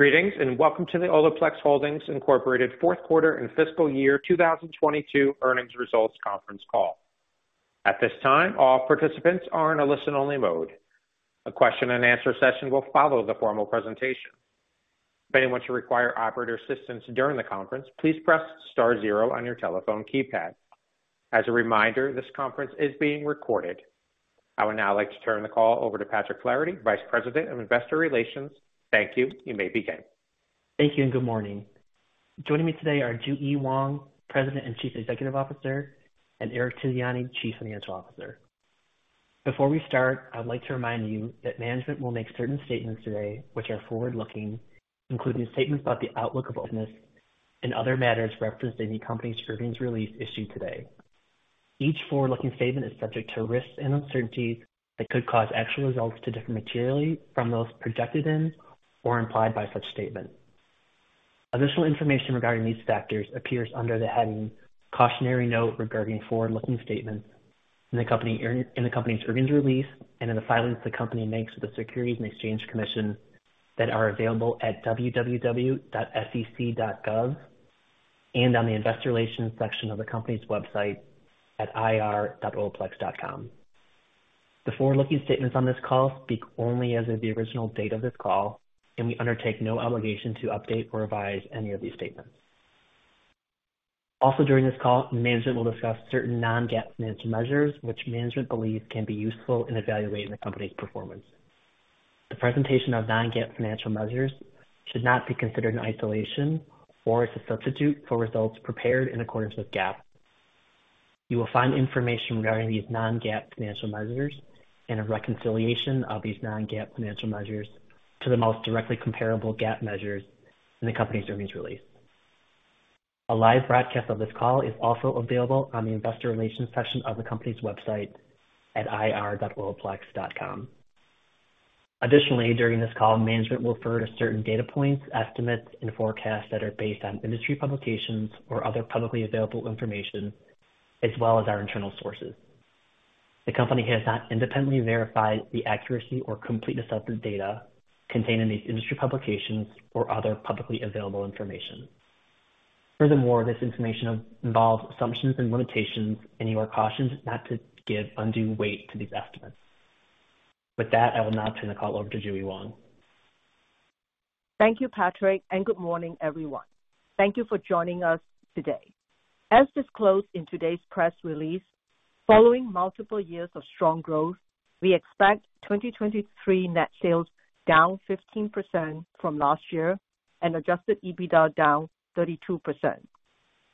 Greetings, and welcome to the Olaplex Holdings, Inc. fourth quarter and fiscal year 2022 earnings results conference call. At this time, all participants are in a listen-only mode. A question and answer session will follow the formal presentation. If anyone should require operator assistance during the conference, please press star 0 on your telephone keypad. As a reminder, this conference is being recorded. I would now like to turn the call over to Patrick Flaherty, Vice President of Investor Relations. Thank you. You may begin. Thank you and good morning. Joining me today are JuE Wong, President and Chief Executive Officer, and Eric Tiziani, Chief Financial Officer. Before we start, I'd like to remind you that management will make certain statements today which are forward-looking, including statements about the outlook of business and other matters referenced in the company's earnings release issued today. Each forward-looking statement is subject to risks and uncertainties that could cause actual results to differ materially from those projected in or implied by such statement. Additional information regarding these factors appears under the heading Cautionary Note regarding forward-looking statements in the company's earnings release and in the filings the company makes with the Securities and Exchange Commission that are available at www.sec.gov and on the investor relations section of the company's website at ir.olaplex.com. The forward-looking statements on this call speak only as of the original date of this call, we undertake no obligation to update or revise any of these statements. During this call, management will discuss certain non-GAAP financial measures which management believes can be useful in evaluating the company's performance. The presentation of non-GAAP financial measures should not be considered in isolation or as a substitute for results prepared in accordance with GAAP. You will find information regarding these non-GAAP financial measures and a reconciliation of these non-GAAP financial measures to the most directly comparable GAAP measures in the company's earnings release. A live broadcast of this call is also available on the investor relations section of the company's website at ir.olaplex.com. During this call, management will refer to certain data points, estimates, and forecasts that are based on industry publications or other publicly available information as well as our internal sources. The company has not independently verified the accuracy or completeness of the data contained in these industry publications or other publicly available information. This information involves assumptions and limitations, and you are cautioned not to give undue weight to these estimates. With that, I will now turn the call over to JuE Wong. Thank you, Patrick, and good morning, everyone. Thank you for joining us today. As disclosed in today's press release, following multiple years of strong growth, we expect 2023 net sales down 15% from last year and adjusted EBITDA down 32%,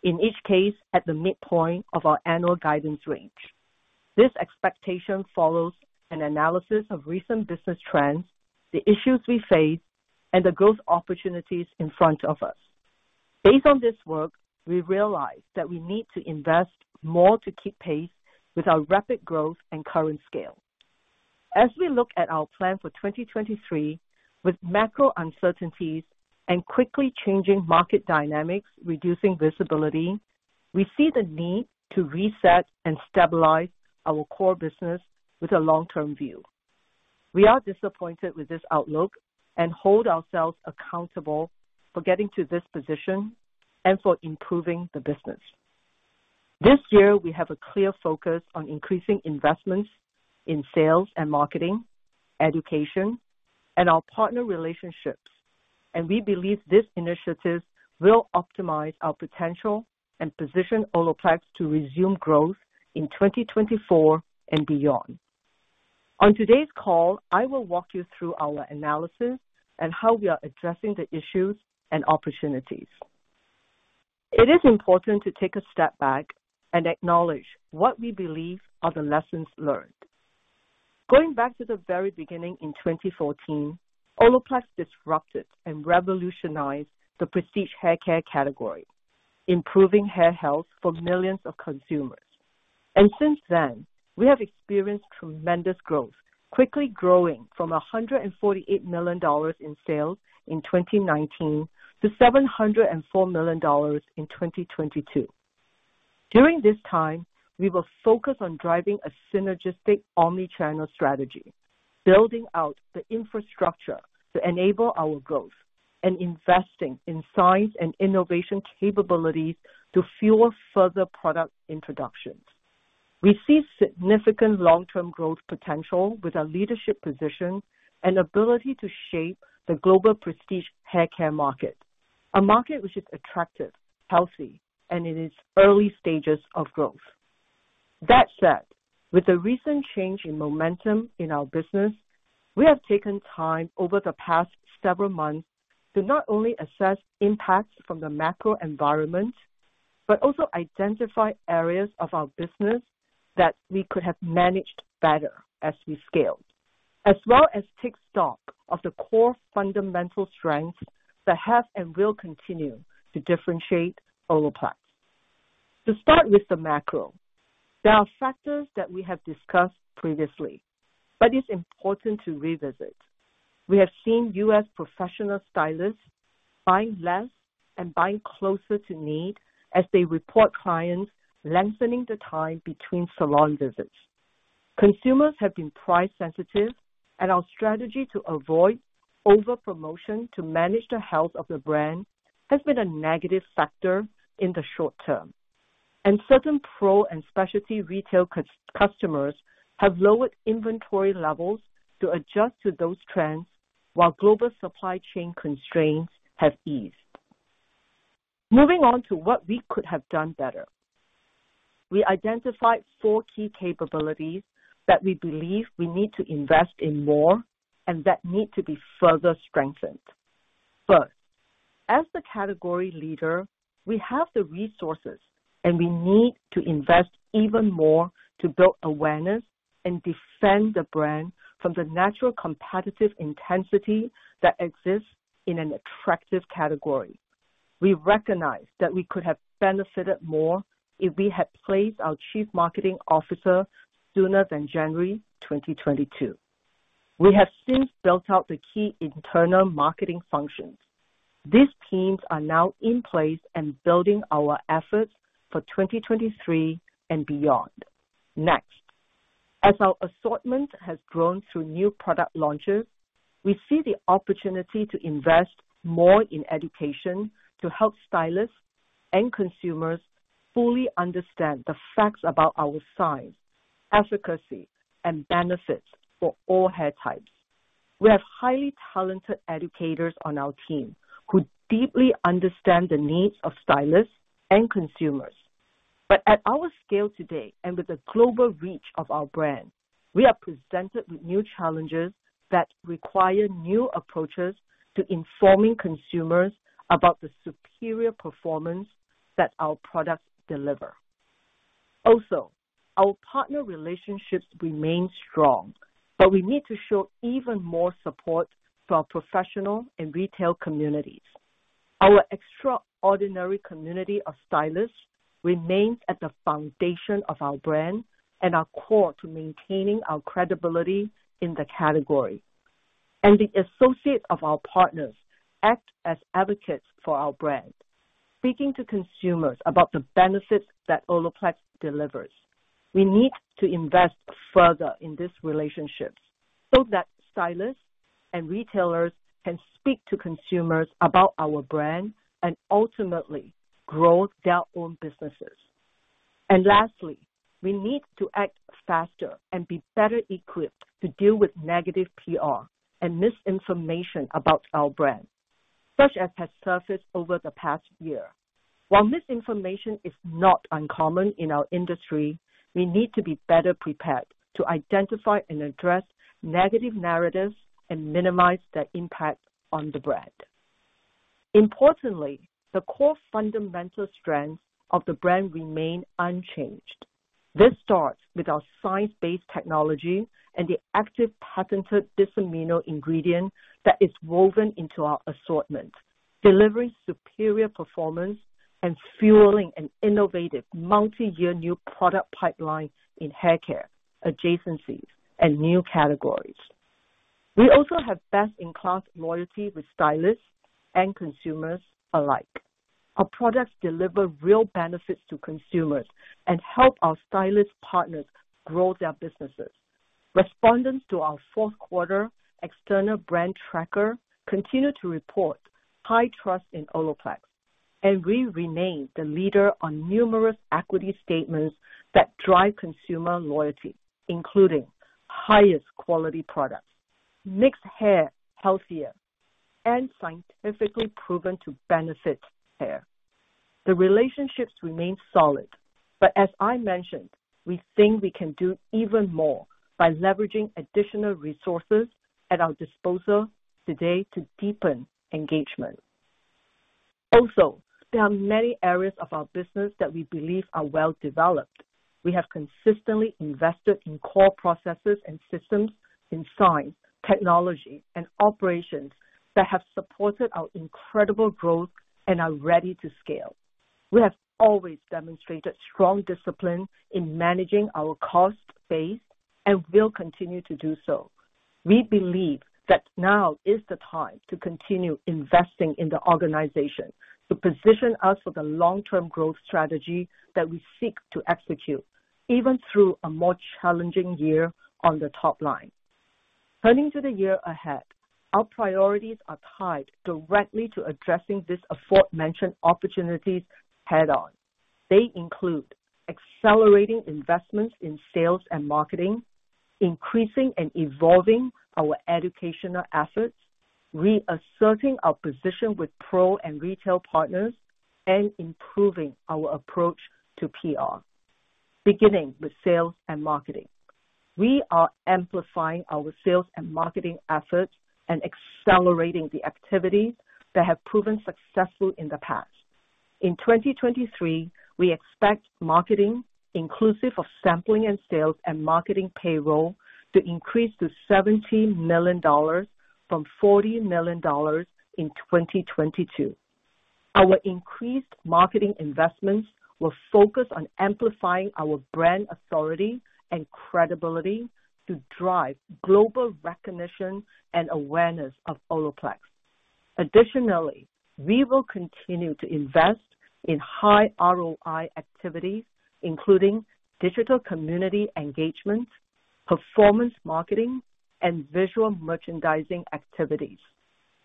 in each case at the midpoint of our annual guidance range. This expectation follows an analysis of recent business trends, the issues we face, and the growth opportunities in front of us. Based on this work, we realized that we need to invest more to keep pace with our rapid growth and current scale. As we look at our plan for 2023, with macro uncertainties and quickly changing market dynamics reducing visibility, we see the need to reset and stabilize our core business with a long-term view. We are disappointed with this outlook and hold ourselves accountable for getting to this position and for improving the business. This year, we have a clear focus on increasing investments in sales and marketing, education, and our partner relationships. We believe these initiatives will optimize our potential and position Olaplex to resume growth in 2024 and beyond. On today's call, I will walk you through our analysis and how we are addressing the issues and opportunities. It is important to take a step back and acknowledge what we believe are the lessons learned. Going back to the very beginning in 2014, Olaplex disrupted and revolutionized the prestige haircare category, improving hair health for millions of consumers. Since then, we have experienced tremendous growth, quickly growing from $148 million in sales in 2019 to $704 million in 2022. During this time, we will focus on driving a synergistic omnichannel strategy, building out the infrastructure to enable our growth, and investing in science and innovation capabilities to fuel further product introductions. We see significant long-term growth potential with our leadership position and ability to shape the global prestige haircare market, a market which is attractive, healthy, and in its early stages of growth. That said, with the recent change in momentum in our business, we have taken time over the past several months to not only assess impacts from the macro environment, but also identify areas of our business that we could have managed better as we scaled, as well as take stock of the core fundamental strengths that have and will continue to differentiate Olaplex. To start with the macro, there are factors that we have discussed previously, but it's important to revisit. We have seen U.S. professional stylists buy less and buy closer to need as they report clients lengthening the time between salon visits. Consumers have been price sensitive and our strategy to avoid over-promotion to manage the health of the brand has been a negative factor in the short term. Certain pro and specialty retail customers have lowered inventory levels to adjust to those trends while global supply chain constraints have eased. Moving on to what we could have done better. We identified four key capabilities that we believe we need to invest in more and that need to be further strengthened. First, as the category leader, we have the resources, and we need to invest even more to build awareness and defend the brand from the natural competitive intensity that exists in an attractive category. We recognize that we could have benefited more if we had placed our chief marketing officer sooner than January 2022. We have since built out the key internal marketing functions. These teams are now in place and building our efforts for 2023 and beyond. Next, as our assortment has grown through new product launches, we see the opportunity to invest more in education to help stylists and consumers fully understand the facts about our size, efficacy, and benefits for all hair types. We have highly talented educators on our team who deeply understand the needs of stylists and consumers. At our scale today, and with the global reach of our brand, we are presented with new challenges that require new approaches to informing consumers about the superior performance that our products deliver. Also, our partner relationships remain strong, but we need to show even more support for our professional and retail communities. Our extraordinary community of stylists remains at the foundation of our brand and are core to maintaining our credibility in the category. The associates of our partners act as advocates for our brand, speaking to consumers about the benefits that Olaplex delivers. We need to invest further in these relationships so that stylists and retailers can speak to consumers about our brand and ultimately grow their own businesses. Lastly, we need to act faster and be better equipped to deal with negative PR and misinformation about our brand, such as has surfaced over the past year. While misinformation is not uncommon in our industry, we need to be better prepared to identify and address negative narratives and minimize their impact on the brand. Importantly, the core fundamental strengths of the brand remain unchanged. This starts with our science-based technology and the active patented Bis-Aminopropyl Diglycol Dimaleate ingredient that is woven into our assortment, delivering superior performance and fueling an innovative multiyear new product pipeline in haircare, adjacencies, and new categories. We also have best-in-class loyalty with stylists and consumers alike. Our products deliver real benefits to consumers and help our stylist partners grow their businesses. Respondents to our fourth quarter external brand tracker continue to report high trust in Olaplex, and we remain the leader on numerous equity statements that drive consumer loyalty, including highest quality products, makes hair healthier, and scientifically proven to benefit hair. The relationships remain solid, but as I mentioned, we think we can do even more by leveraging additional resources at our disposal today to deepen engagement. There are many areas of our business that we believe are well-developed. We have consistently invested in core processes and systems in science, technology, and operations that have supported our incredible growth and are ready to scale. We have always demonstrated strong discipline in managing our cost base and will continue to do so. We believe that now is the time to continue investing in the organization to position us for the long-term growth strategy that we seek to execute, even through a more challenging year on the top line. Turning to the year ahead, our priorities are tied directly to addressing these aforementioned opportunities head-on. They include accelerating investments in sales and marketing, increasing and evolving our educational assets, reasserting our position with pro and retail partners, and improving our approach to PR. Beginning with sales and marketing, we are amplifying our sales and marketing efforts and accelerating the activities that have proven successful in the past. In 2023, we expect marketing, inclusive of sampling and sales and marketing payroll, to increase to $70 million from $40 million in 2022. Our increased marketing investments will focus on amplifying our brand authority and credibility to drive global recognition and awareness of Olaplex. Additionally, we will continue to invest in high ROI activities, including digital community engagement, performance marketing, and visual merchandising activities.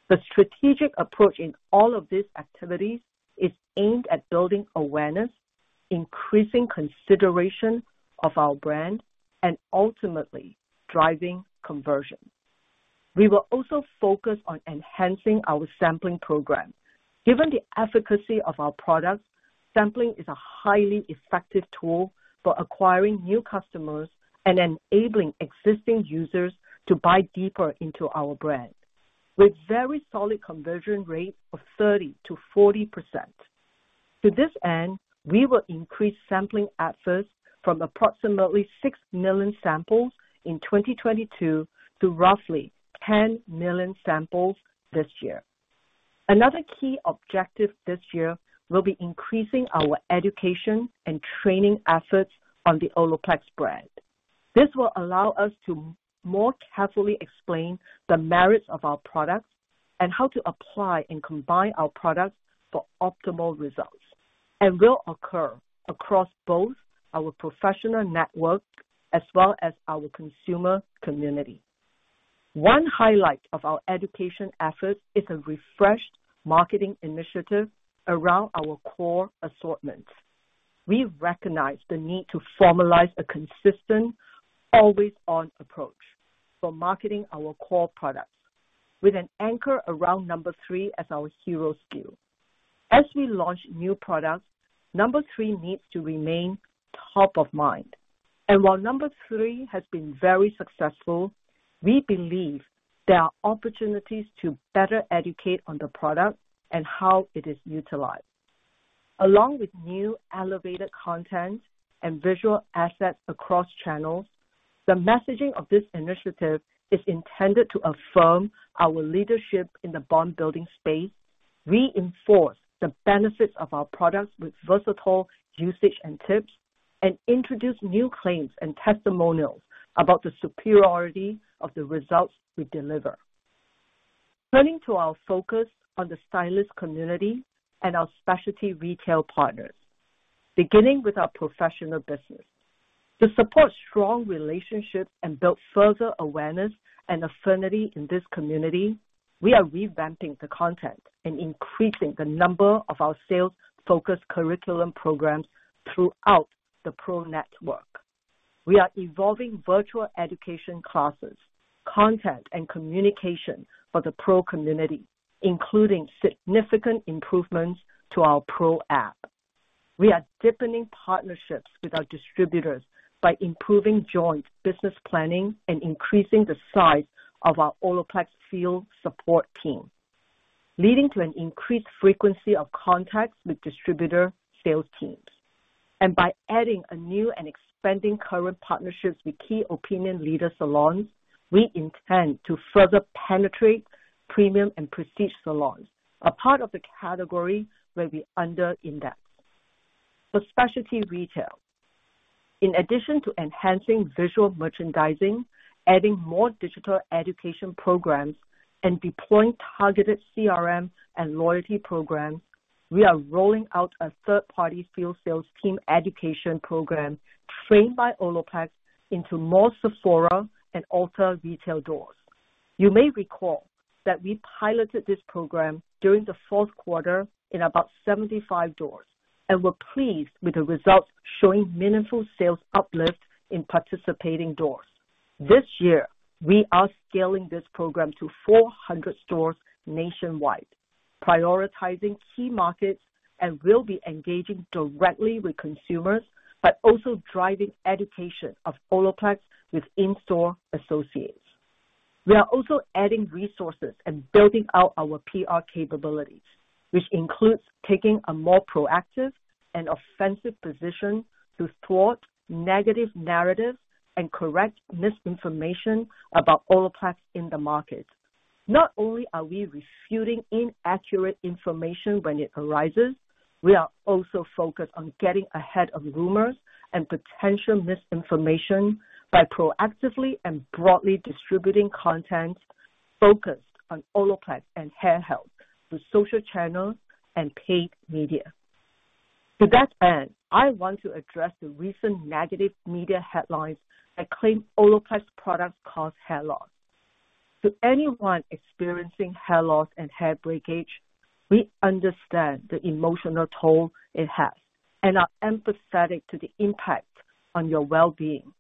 The strategic approach in all of these activities is aimed at building awareness, increasing consideration of our brand, and ultimately driving conversion. We will also focus on enhancing our sampling program. Given the efficacy of our products, sampling is a highly effective tool for acquiring new customers and enabling existing users to buy deeper into our brand with very solid conversion rate of 30%-40%. To this end, we will increase sampling efforts from approximately six million samples in 2022 to roughly 10 million samples this year. Another key objective this year will be increasing our education and training efforts on the Olaplex brand. This will allow us to more carefully explain the merits of our products and how to apply and combine our products for optimal results, will occur across both our professional network as well as our consumer community. One highlight of our education efforts is a refreshed marketing initiative around our core assortments. We recognize the need to formalize a consistent, always-on approach for marketing our core products with an anchor around Nº.3 as our hero SKU. We launch new products, Nº.3 needs to remain top of mind. While Nº.3 has been very successful, we believe there are opportunities to better educate on the product and how it is utilized. Along with new elevated content and visual assets across channels, the messaging of this initiative is intended to affirm our leadership in the bond building space, reinforce the benefits of our products with versatile usage and tips, and introduce new claims and testimonials about the superiority of the results we deliver. Turning to our focus on the stylist community and our specialty retail partners. Beginning with our professional business. To support strong relationships and build further awareness and affinity in this community, we are revamping the content and increasing the number of our sales-focused curriculum programs throughout the pro network. We are evolving virtual education classes, content, and communication for the pro community, including significant improvements to our pro App. We are deepening partnerships with our distributors by improving joint business planning and increasing the size of our Olaplex field support team, leading to an increased frequency of contacts with distributor sales teams. By adding a new and expanding current partnerships with key opinion leader salons, we intend to further penetrate premium and prestige salons, a part of the category where we under-index. For specialty retail, in addition to enhancing visual merchandising, adding more digital education programs, and deploying targeted CRM and loyalty programs, we are rolling out a third-party field sales team education program trained by Olaplex into more Sephora and Ulta retail doors. You may recall that we piloted this program during the fourth quarter in about 75 doors and were pleased with the results, showing meaningful sales uplift in participating doors. This year, we are scaling this program to 400 stores nationwide, prioritizing key markets and will be engaging directly with consumers by also driving education of Olaplex with in-store associates. We are also adding resources and building out our PR capabilities, which includes taking a more proactive and offensive position to thwart negative narratives and correct misinformation about Olaplex in the market. Not only are we refuting inaccurate information when it arises, we are also focused on getting ahead of rumors and potential misinformation by proactively and broadly distributing content focused on Olaplex and hair health through social channels and paid media. To that end, I want to address the recent negative media headlines that claim Olaplex products cause hair loss. To anyone experiencing hair loss and hair breakage, we understand the emotional toll it has and are empathetic to the impact on your well-being.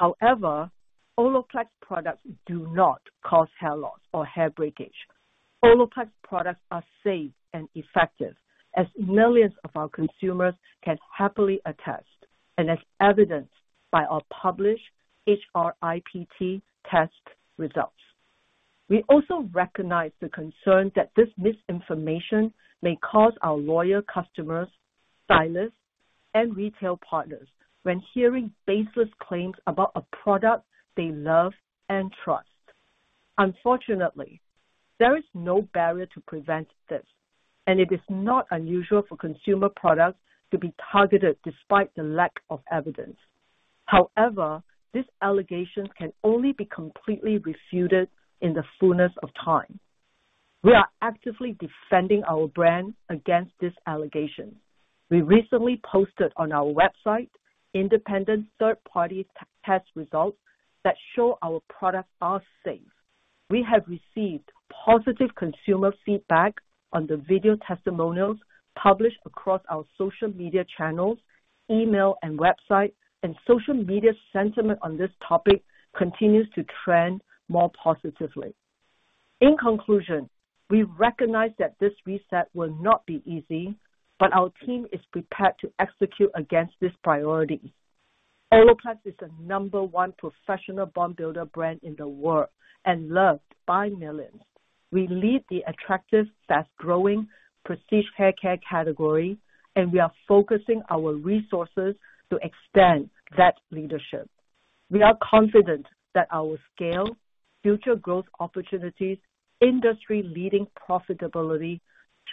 Olaplex products do not cause hair loss or hair breakage. Olaplex products are safe and effective, as millions of our consumers can happily attest, and as evidenced by our published HRIPT test results. We also recognize the concern that this misinformation may cause our loyal customers, stylists, and retail partners when hearing baseless claims about a product they love and trust. Unfortunately, there is no barrier to prevent this, and it is not unusual for consumer products to be targeted despite the lack of evidence. However, these allegations can only be completely refuted in the fullness of time. We are actively defending our brand against this allegation. We recently posted on our website independent third-party test results that show our products are safe. We have received positive consumer feedback on the video testimonials published across our social media channels, email, and website, and social media sentiment on this topic continues to trend more positively. In conclusion, we recognize that this reset will not be easy, but our team is prepared to execute against this priority. Olaplex is the number one professional bond builder brand in the world and loved by millions. We lead the attractive, fast-growing prestige hair care category, and we are focusing our resources to extend that leadership. We are confident that our scale, future growth opportunities, industry-leading profitability,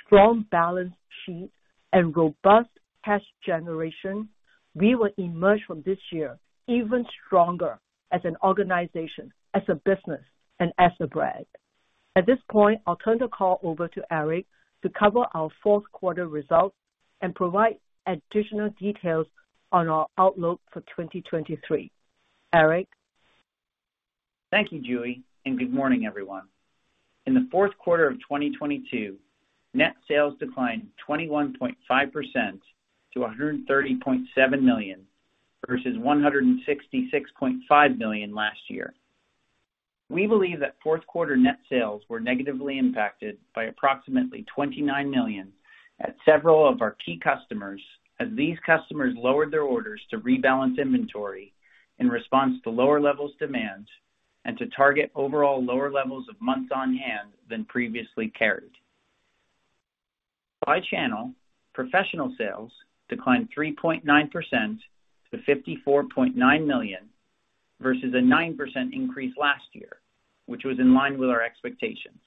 strong balance sheet, and robust cash generation, we will emerge from this year even stronger as an organization, as a business, and as a brand. At this point, I'll turn the call over to Eric to cover our fourth quarter results and provide additional details on our outlook for 2023. Eric? Thank you, JuE, good morning, everyone. In the fourth quarter of 2022, net sales declined 21.5% to $130.7 million versus $166.5 million last year. We believe that fourth quarter net sales were negatively impacted by approximately $29 million at several of our key customers as these customers lowered their orders to rebalance inventory in response to lower levels of demand and to target overall lower levels of months on hand than previously carried. By channel, professional sales declined 3.9% to $54.9 million versus a 9% increase last year, which was in line with our expectations.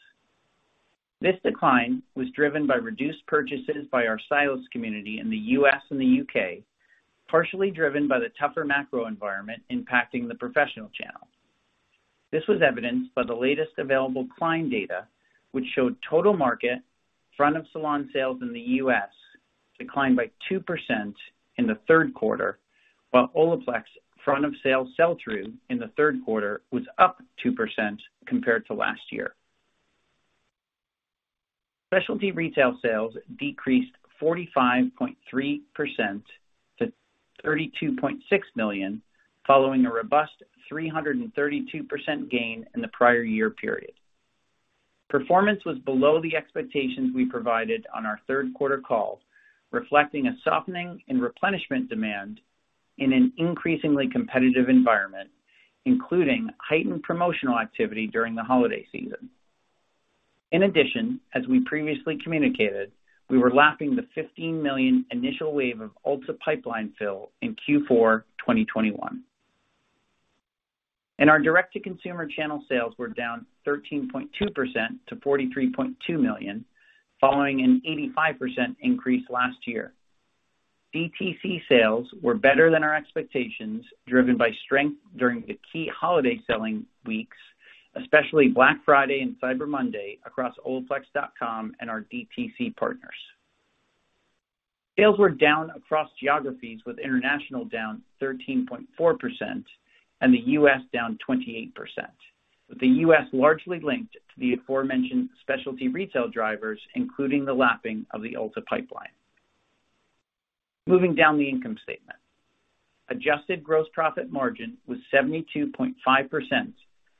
This decline was driven by reduced purchases by our stylist community in the U.S. and the U.K., partially driven by the tougher macro environment impacting the professional channel. This was evidenced by the latest available Kline data, which showed total market front of salon sales in the U.S. declined by 2% in the third quarter, while Olaplex front of sales sell-through in the third quarter was up 2% compared to last year. Specialty retail sales decreased 45.3% to $32.6 million, following a robust 332% gain in the prior year period. Performance was below the expectations we provided on our third quarter call, reflecting a softening in replenishment demand in an increasingly competitive environment, including heightened promotional activity during the holiday season. As we previously communicated, we were lapping the $15 million initial wave of Ulta pipeline fill in Q4 2021. Our direct-to-consumer channel sales were down 13.2% to $43.2 million, following an 85% increase last year. DTC sales were better than our expectations, driven by strength during the key holiday selling weeks, especially Black Friday and Cyber Monday across olaplex.com and our DTC partners. Sales were down across geographies, with international down 13.4% and the U.S. down 28%. The U.S. largely linked to the aforementioned specialty retail drivers, including the lapping of the Ulta pipeline. Moving down the income statement. Adjusted gross profit margin was 72.5%,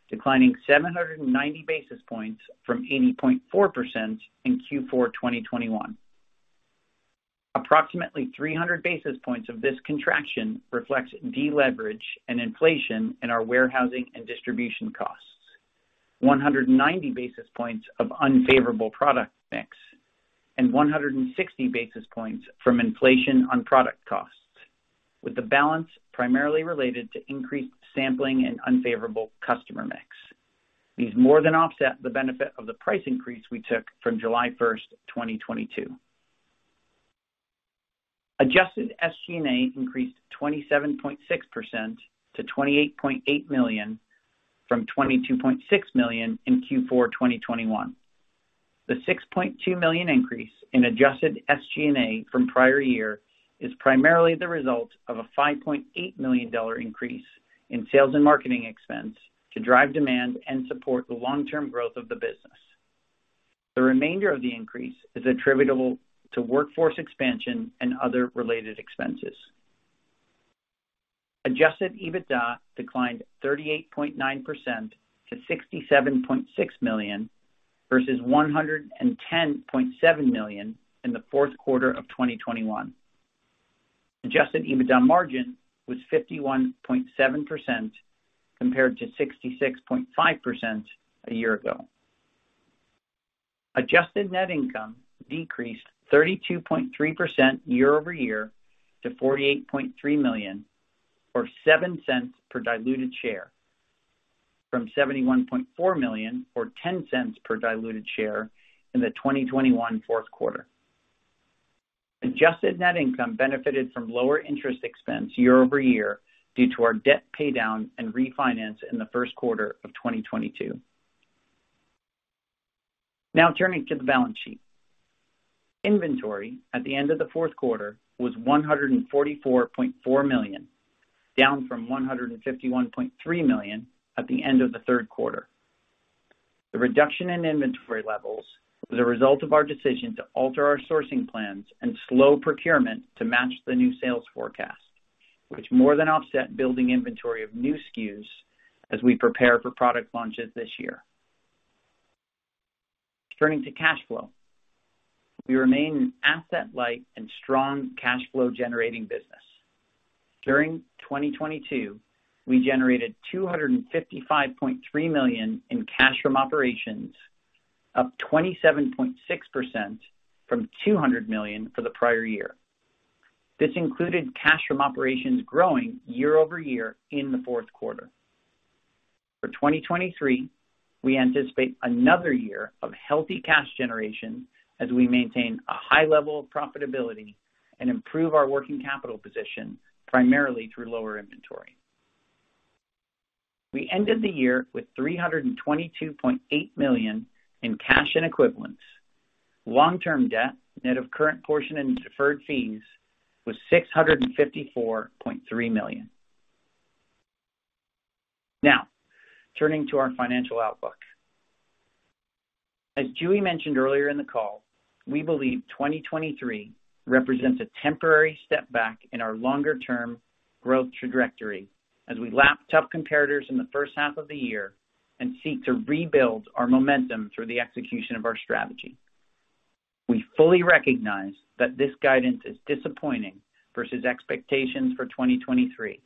declining 790 basis points from 80.4% in Q4 2021. Approximately 300 basis points of this contraction reflects deleverage and inflation in our warehousing and distribution costs, 190 basis points of unfavorable product mix, and 160 basis points from inflation on product costs, with the balance primarily related to increased sampling and unfavorable customer mix. These more than offset the benefit of the price increase we took from July 1st, 2022. Adjusted SG&A increased 27.6% to $28.8 million from $22.6 million in Q4 2021. The $6.2 million increase in adjusted SG&A from prior year is primarily the result of a $5.8 million increase in sales and marketing expense to drive demand and support the long-term growth of the business. The remainder of the increase is attributable to workforce expansion and other related expenses. Adjusted EBITDA declined 38.9% to $67.6 million, versus $110.7 million in the fourth quarter of 2021. Adjusted EBITDA margin was 51.7% compared to 66.5% a year ago. Adjusted net income decreased 32.3% year-over-year to $48.3 million, or $0.07 per diluted share from $71.4 million or $0.10 per diluted share in the 2021 fourth quarter. Adjusted net income benefited from lower interest expense year-over-year due to our debt paydown and refinance in the first quarter of 2022. Now, turning to the balance sheet. Inventory at the end of the fourth quarter was $144.4 million, down from $151.3 million at the end of the third quarter. The reduction in inventory levels was a result of our decision to alter our sourcing plans and slow procurement to match the new sales forecast, which more than offset building inventory of new SKUs as we prepare for product launches this year. Turning to cash flow. We remain an asset-light and strong cash flow generating business. During 2022, we generated $255.3 million in cash from operations, up 27.6% from $200 million for the prior year. This included cash from operations growing year-over-year in the fourth quarter. For 2023, we anticipate another year of healthy cash generation as we maintain a high level of profitability and improve our working capital position, primarily through lower inventory. We ended the year with $322.8 million in cash and equivalents. Long-term debt, net of current portion and deferred fees, was $654.3 million. Now, turning to our financial outlook. As JuE mentioned earlier in the call, we believe 2023 represents a temporary step back in our longer-term growth trajectory as we lap tough comparators in the first half of the year and seek to rebuild our momentum through the execution of our strategy. We fully recognize that this guidance is disappointing versus expectations for 2023.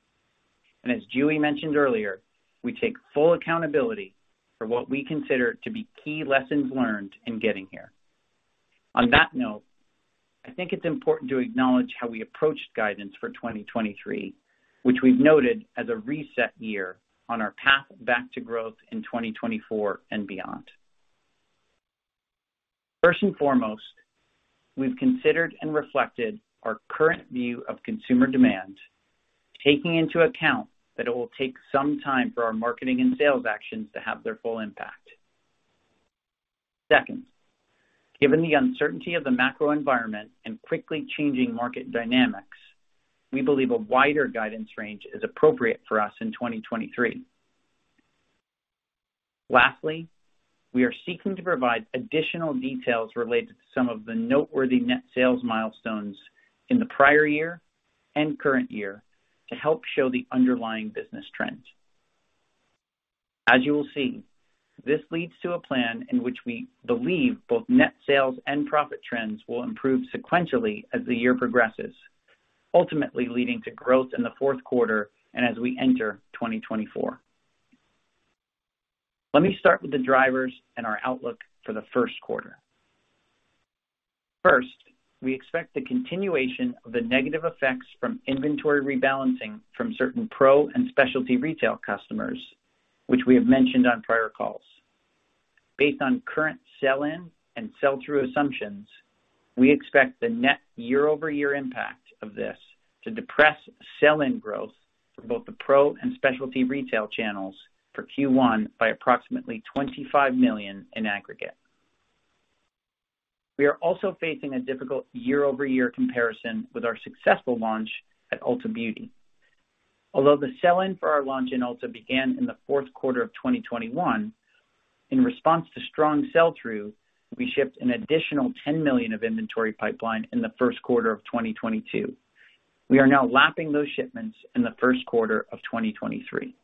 As JuE mentioned earlier, we take full accountability for what we consider to be key lessons learned in getting here. On that note, I think it's important to acknowledge how we approached guidance for 2023, which we've noted as a reset year on our path back to growth in 2024 and beyond. First and foremost, we've considered and reflected our current view of consumer demand, taking into account that it will take some time for our marketing and sales actions to have their full impact. Second, given the uncertainty of the macro environment and quickly changing market dynamics, we believe a wider guidance range is appropriate for us in 2023. Lastly, we are seeking to provide additional details related to some of the noteworthy net sales milestones in the prior year and current year to help show the underlying business trends. As you will see, this leads to a plan in which we believe both net sales and profit trends will improve sequentially as the year progresses, ultimately leading to growth in the fourth quarter and as we enter 2024. Let me start with the drivers and our outlook for the first quarter. First, we expect the continuation of the negative effects from inventory rebalancing from certain pro and specialty retail customers, which we have mentioned on prior calls. Based on current sell-in and sell-through assumptions, we expect the net year-over-year impact of this to depress sell-in growth for both the pro and specialty retail channels for Q1 by approximately $25 million in aggregate. We are also facing a difficult year-over-year comparison with our successful launch at Ulta Beauty. Although the sell-in for our launch in Ulta began in the fourth quarter of 2021, in response to strong sell-through, we shipped an additional $10 million of inventory pipeline in the first quarter of 2022. We are now lapping those shipments in the first quarter of 2023.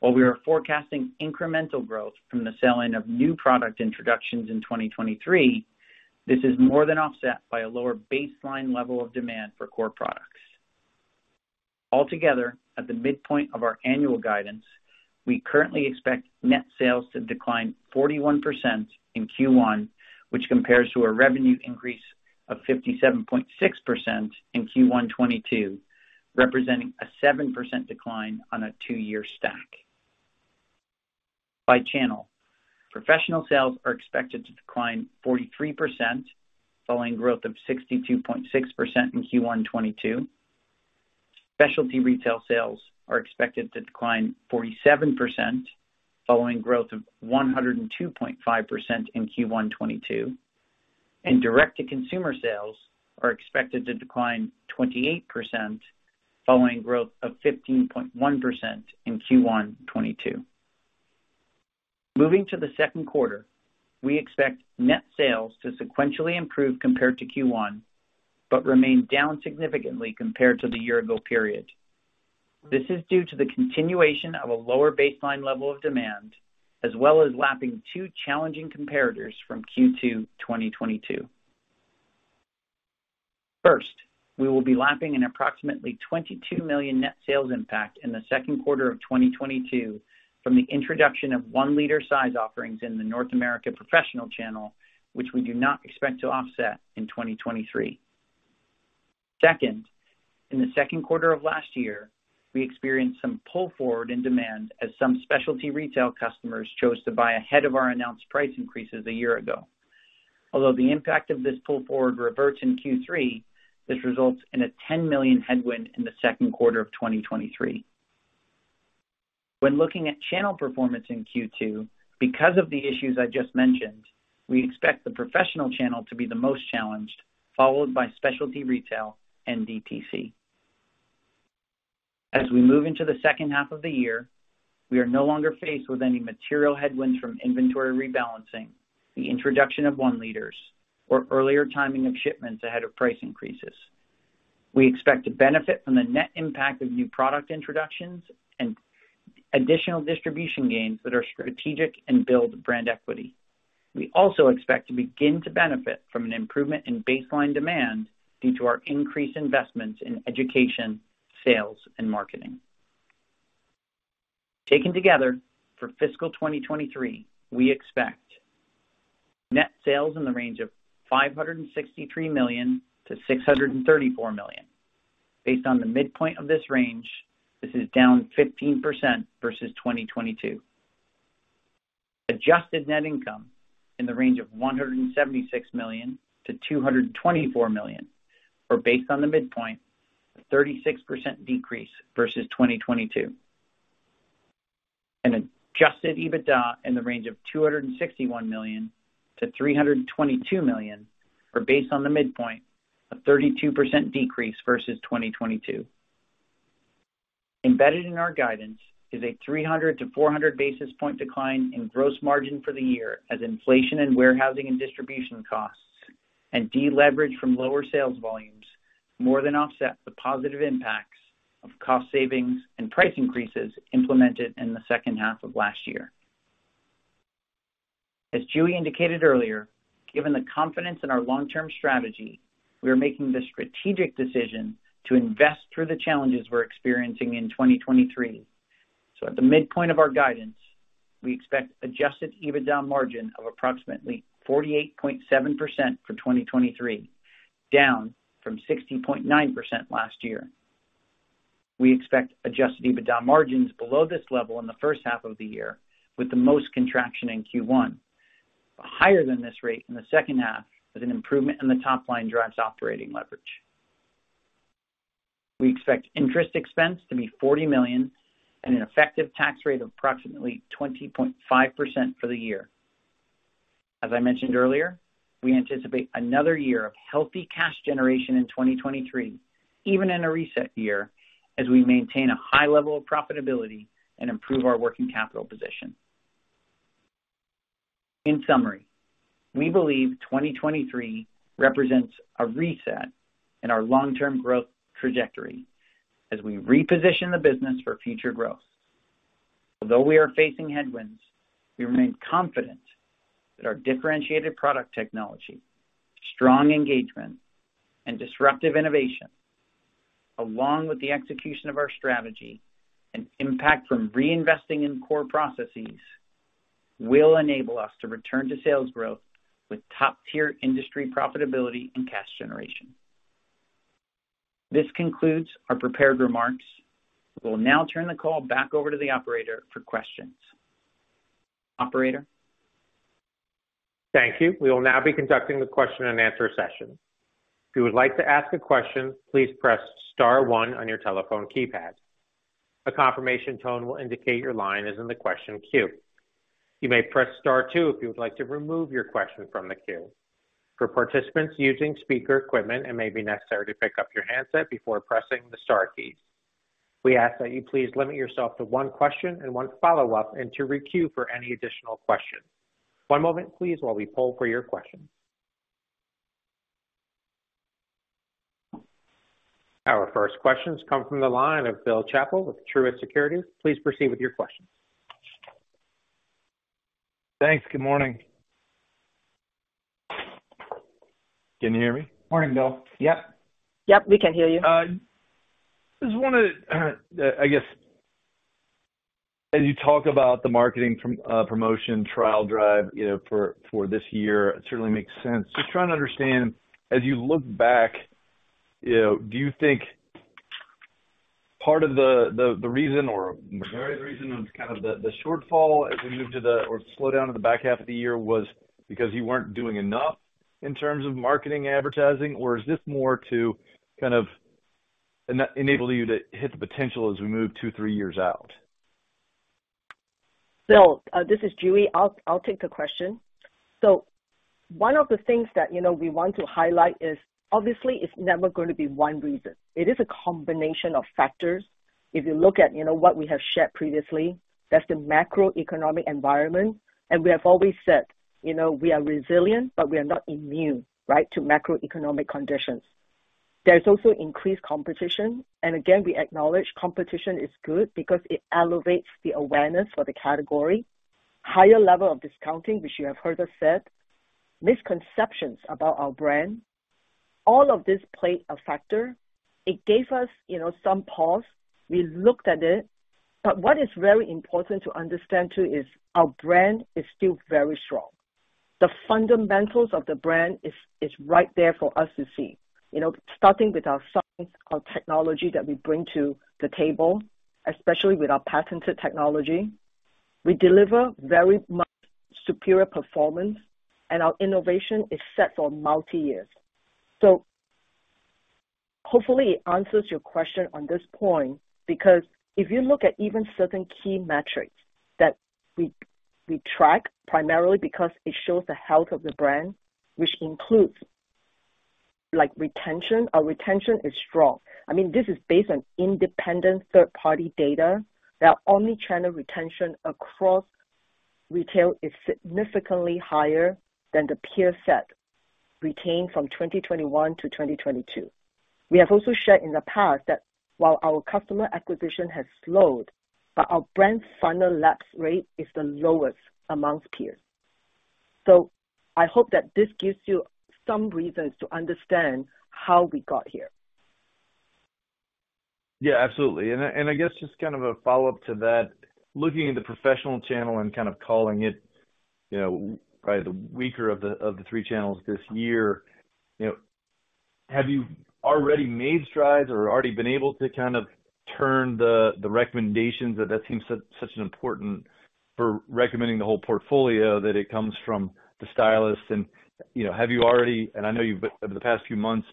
While we are forecasting incremental growth from the sell-in of new product introductions in 2023, this is more than offset by a lower baseline level of demand for core products. Altogether, at the midpoint of our annual guidance, we currently expect net sales to decline 41% in Q1, which compares to a revenue increase of 57.6% in Q1 2022, representing a 7% decline on a two-year stack. By channel, professional sales are expected to decline 43%, following growth of 62.6% in Q1 2022. Specialty retail sales are expected to decline 47%, following growth of 102.5% in Q1 2022. Direct-to-consumer sales are expected to decline 28%, following growth of 15.1% in Q1 2022. Moving to the second quarter, we expect net sales to sequentially improve compared to Q1, but remain down significantly compared to the year ago period. This is due to the continuation of a lower baseline level of demand, as well as lapping two challenging comparators from Q2 2022. First, we will be lapping an approximately $22 million net sales impact in the second quarter of 2022 from the introduction of one-liter size offerings in the North America professional channel, which we do not expect to offset in 2023. Second, in the second quarter of last year, we experienced some pull forward in demand as some specialty retail customers chose to buy ahead of our announced price increases a year ago. Although the impact of this pull forward reverts in Q3, this results in a $10 million headwind in the second quarter of 2023. When looking at channel performance in Q2, because of the issues I just mentioned, we expect the professional channel to be the most challenged, followed by specialty retail and DTC. As we move into the second half of the year, we are no longer faced with any material headwinds from inventory rebalancing, the introduction of one liters or earlier timing of shipments ahead of price increases. We expect to benefit from the net impact of new product introductions and additional distribution gains that are strategic and build brand equity. We also expect to begin to benefit from an improvement in baseline demand due to our increased investments in education, sales and marketing. Taken together, for fiscal 2023, we expect net sales in the range of $563 million-$634 million. Based on the midpoint of this range, this is down 15% versus 2022. Adjusted net income in the range of $176 million-$224 million, or based on the midpoint, a 36% decrease versus 2022. Adjusted EBITDA in the range of $261 million-$322 million, or based on the midpoint, a 32% decrease versus 2022. Embedded in our guidance is a 300-400 basis point decline in gross margin for the year as inflation and warehousing and distribution costs and deleverage from lower sales volumes more than offset the positive impacts of cost savings and price increases implemented in the second half of last year. As JuE indicated earlier, given the confidence in our long-term strategy, we are making the strategic decision to invest through the challenges we're experiencing in 2023. At the midpoint of our guidance, we expect adjusted EBITDA margin of approximately 48.7% for 2023, down from 60.9% last year. We expect adjusted EBITDA margins below this level in the first half of the year, with the most contraction in Q1, but higher than this rate in the second half as an improvement in the top line drives operating leverage. We expect interest expense to be $40 million and an effective tax rate of approximately 20.5% for the year. As I mentioned earlier, we anticipate another year of healthy cash generation in 2023, even in a reset year, as we maintain a high level of profitability and improve our working capital position. In summary, we believe 2023 represents a reset in our long-term growth trajectory as we reposition the business for future growth. Although we are facing headwinds, we remain confident that our differentiated product technology, strong engagement and disruptive innovation, along with the execution of our strategy and impact from reinvesting in core processes, will enable us to return to sales growth with top-tier industry profitability and cash generation. This concludes our prepared remarks. We will now turn the call back over to the operator for questions. Operator? Thank you. We will now be conducting the question and answer session. If you would like to ask a question, please press star one on your telephone keypad. A confirmation tone will indicate your line is in the question queue. You may press star two if you would like to remove your question from the queue. For participants using speaker equipment, it may be necessary to pick up your handset before pressing the star keys. We ask that you please limit yourself to one question and one follow up and to re-queue for any additional questions. One moment please while we poll for your question. Our first questions come from the line of Bill Chappell with Truist Securities. Please proceed with your question. Thanks. Good morning. Can you hear me? Morning, Bill. Yeah. Yep, we can hear you. I guess as you talk about the marketing promotion trial drive, you know, for this year, it certainly makes sense. Just trying to understand, as you look back, you know, do you think part of the reason or very reason of kind of the shortfall as we move to the slowdown in the back half of the year was because you weren't doing enough in terms of marketing advertising, or is this more to kind of enable you to hit the potential as we move two, three years out? Bill, this is JuE Wong. I'll take the question. One of the things that, you know, we want to highlight is obviously it's never gonna be one reason. It is a combination of factors. If you look at, you know, what we have shared previously, that's the macroeconomic environment. We have always said, you know, we are resilient, but we are not immune, right, to macroeconomic conditions. There's also increased competition. Again, we acknowledge competition is good because it elevates the awareness for the category. Higher level of discounting, which you have heard us said. Misconceptions about our brand. All of this played a factor. It gave us, you know, some pause. We looked at it. What is very important to understand too is our brand is still very strong. The fundamentals of the brand is right there for us to see. You know, starting with our science, our technology that we bring to the table, especially with our patented technology. We deliver very much superior performance, and our innovation is set for multi-years. Hopefully it answers your question on this point, because if you look at even certain key metrics that we track primarily because it shows the health of the brand, which includes like retention. Our retention is strong. I mean, this is based on independent third-party data that omni-channel retention across retail is significantly higher than the peer set retained from 2021 to 2022. We have also shared in the past that while our customer acquisition has slowed, but our brand funnel lapse rate is the lowest amongst peers. I hope that this gives you some reasons to understand how we got here. Yeah, absolutely. I guess just kind of a follow-up to that, looking in the professional channel and kind of calling it, you know, probably the weaker of the, of the three channels this year, you know, have you already made strides or already been able to kind of turn the recommendations that seems such an important for recommending the whole portfolio that it comes from the stylist and, you know, I know you've over the past few months,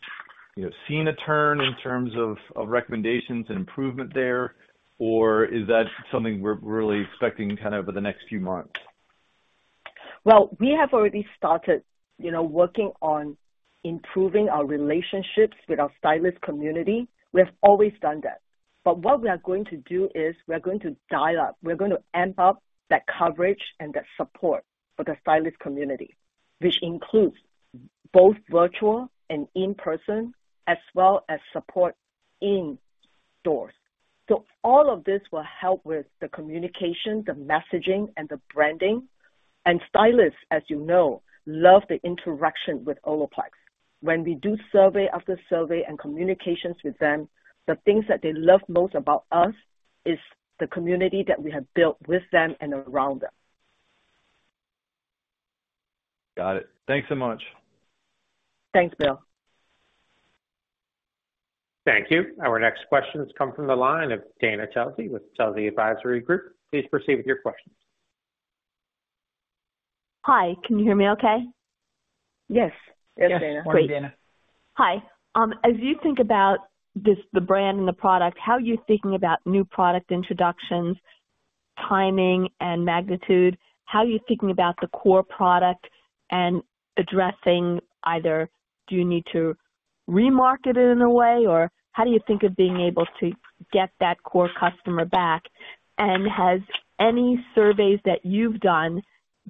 you know, seen a turn in terms of recommendations and improvement there, or is that something we're really expecting kind of over the next few months? We have already started, you know, working on improving our relationships with our stylist community. We have always done that. What we are going to do is we are going to dial up. We're going to amp up that coverage and that support for the stylist community, which includes both virtual and in-person as well as support in stores. All of this will help with the communication, the messaging and the branding. Stylists, as you know, love the interaction with Olaplex. When we do survey after survey and communications with them, the things that they love most about us is the community that we have built with them and around them. Got it. Thanks so much. Thanks, Bill. Thank you. Our next question has come from the line of Dana Telsey with Telsey Advisory Group. Please proceed with your questions. Hi. Can you hear me okay? Yes. Yes, Dana. Morning, Dana. Hi. As you think about this, the brand and the product, how are you thinking about new product introductions, timing and magnitude? How are you thinking about the core product and addressing either do you need to remarket it in a way or how do you think of being able to get that core customer back? Has any surveys that you've done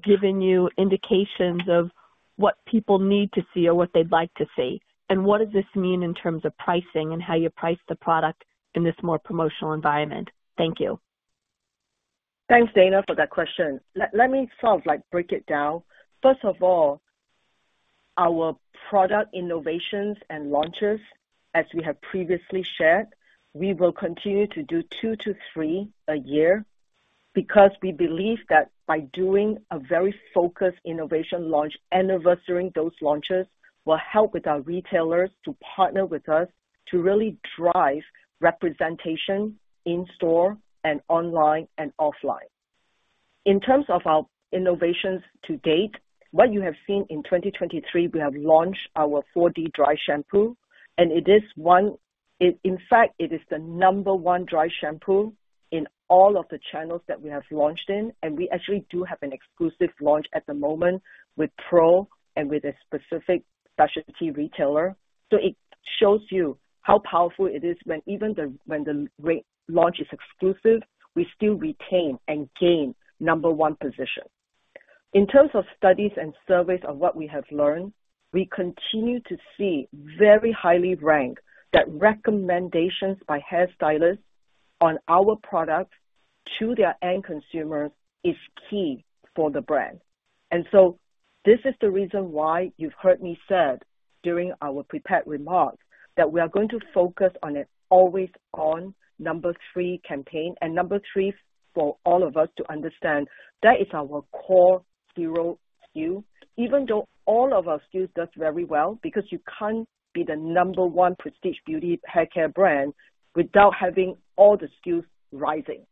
given you indications of what people need to see or what they'd like to see? What does this mean in terms of pricing and how you price the product in this more promotional environment? Thank you. Thanks, Dana, for that question. Let me sort of like break it down. First of all, our product innovations and launches, as we have previously shared, we will continue to do two to three a year because we believe that by doing a very focused innovation launch anniversary, those launches will help with our retailers to partner with us to really drive representation in store and online and offline. In terms of our innovations to date, what you have seen in 2023, we have launched our 4D Dry Shampoo, in fact, it is the number one dry shampoo in all of the channels that we have launched in. We actually do have an exclusive launch at the moment with Pro and with a specific specialty retailer. It shows you how powerful it is when even when the launch is exclusive, we still retain and gain number one position. In terms of studies and surveys of what we have learned, we continue to see very highly ranked that recommendations by hairstylists on our products to their end consumers is key for the brand. This is the reason why you've heard me said during our prepared remarks that we are going to focus on an always-on Nº.3 campaign. Nº.3 for all of us to understand, that is our core hero SKU. Even though all of our SKUs does very well because you can't be the number one prestige beauty haircare brand without having all the SKUs rising.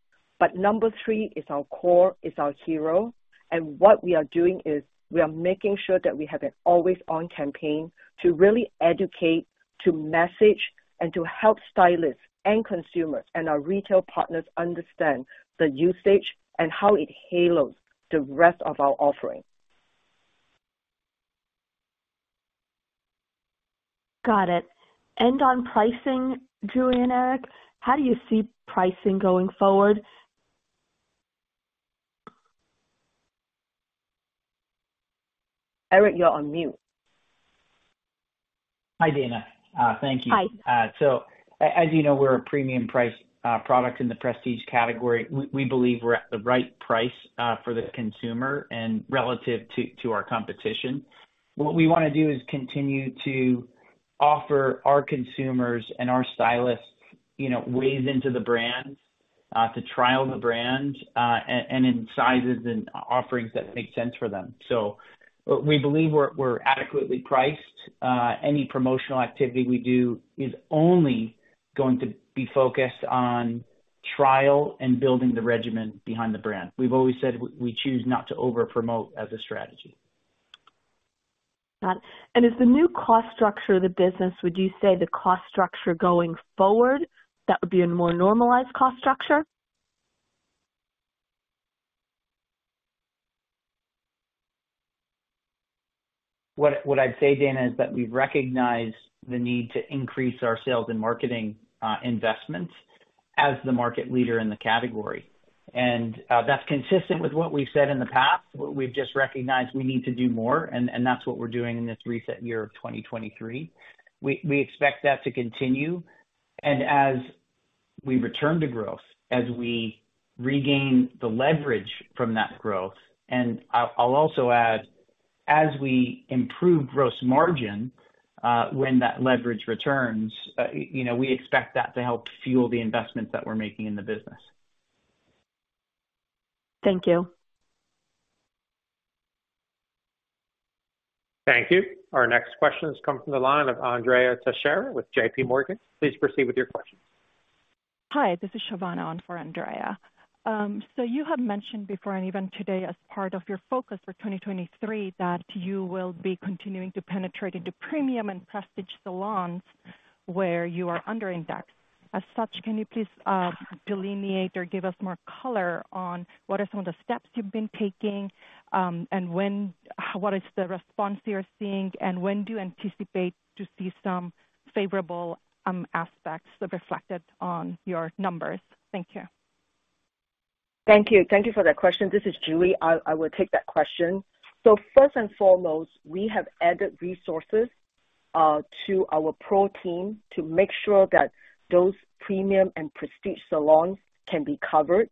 is our core, is our hero, and what we are doing is we are making sure that we have an always-on campaign to really educate, to message, and to help stylists and consumers and our retail partners understand the usage and how it halos the rest of our offering. Got it. On pricing, Julie and Eric, how do you see pricing going forward? Eric, you're on mute. Hi, Dana. Thank you. Hi. As you know, we're a premium price product in the prestige category. We believe we're at the right price for the consumer and relative to our competition. What we wanna do is continue to offer our consumers and our stylists, you know, ways into the brand, to trial the brand, and in sizes and offerings that make sense for them. We believe we're adequately priced. Any promotional activity we do is only going to be focused on trial and building the regimen behind the brand. We've always said we choose not to over-promote as a strategy. Got it. Is the new cost structure of the business, would you say the cost structure going forward, that would be a more normalized cost structure? What I'd say, Dana, is that we recognize the need to increase our sales and marketing investments as the market leader in the category. That's consistent with what we've said in the past. We've just recognized we need to do more, and that's what we're doing in this reset year of 2023. We expect that to continue. As we return to growth, as we regain the leverage from that growth, and I'll also add, as we improve gross margin, when that leverage returns, you know, we expect that to help fuel the investments that we're making in the business. Thank you. Thank you. Our next question has come from the line of Andrea Teixeira with J.P. Morgan. Please proceed with your question. Hi, this is Shivana on for Andrea. You had mentioned before, and even today as part of your focus for 2023, that you will be continuing to penetrate into premium and prestige salons where you are under indexed. As such, can you please delineate or give us more color on what are some of the steps you've been taking, what is the response you're seeing, and when do you anticipate to see some favorable aspects reflected on your numbers? Thank you. Thank you. Thank you for that question. This is Julie. I will take that question. First and foremost, we have added resources to our pro team to make sure that those premium and prestige salons can be covered.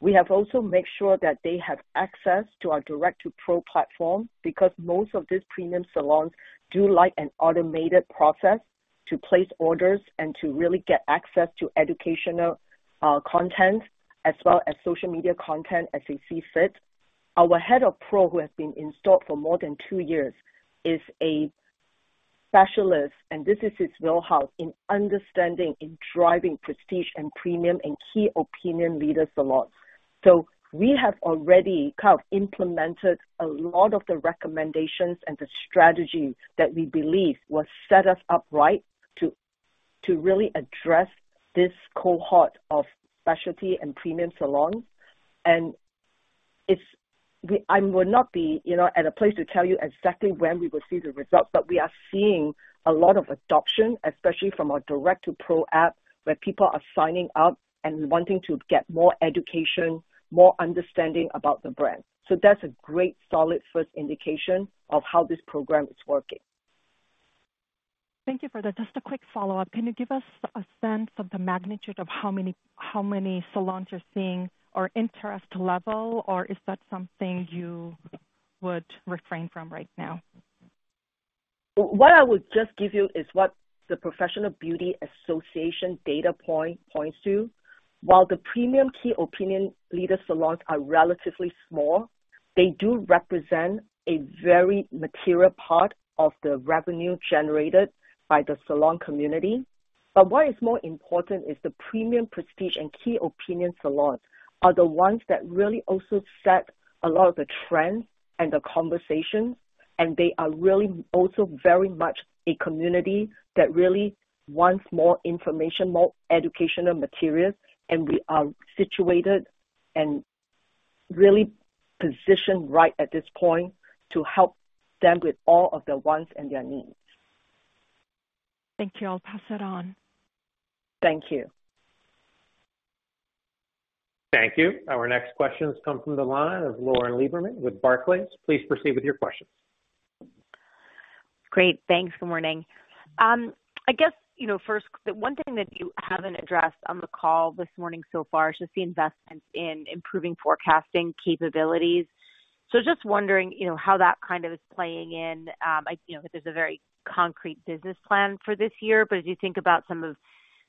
We have also make sure that they have access to our direct-to-pro platform because most of these premium salons do like an automated process to place orders and to really get access to educational content as well as social media content as they see fit. Our head of pro, who has been in stock for more than two years, is a specialist, and this is his know-how in understanding, in driving prestige and premium and key opinion leader salons. We have already kind of implemented a lot of the recommendations and the strategies that we believe will set us up right to really address this cohort of specialty and premium salons. I would not be, you know, at a place to tell you exactly when we will see the results, but we are seeing a lot of adoption, especially from our direct-to-pro app, where people are signing up and wanting to get more education, more understanding about the brand. That's a great solid first indication of how this program is working. Thank you for that. Just a quick follow-up. Can you give us a sense of the magnitude of how many salons you're seeing or interest level, or is that something you would refrain from right now? What I would just give you is what the Professional Beauty Association data point points to. While the premium key opinion leader salons are relatively small, they do represent a very material part of the revenue generated by the salon community. What is more important is the premium prestige and key opinion salons are the ones that really also set a lot of the trends and the conversations, and they are really also very much a community that really wants more information, more educational materials, and we are situated and really positioned right at this point to help them with all of their wants and their needs. Thank you. I'll pass it on. Thank you. Thank you. Our next question has come from the line of Lauren Lieberman with Barclays. Please proceed with your question. Great. Thanks. Good morning. I guess, you know, first, the one thing that you haven't addressed on the call this morning so far is just the investments in improving forecasting capabilities. Just wondering, you know, how that kind of is playing in, you know, if there's a very concrete business plan for this year. As you think about some of